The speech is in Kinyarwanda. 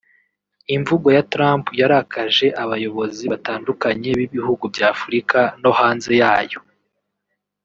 Imvugo ya Trump yarakaje abayobozi batandukanye b’ibihugu bya Afurika no hanze yayo